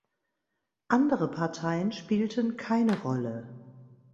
Andere Parteien spielten keine Rolle.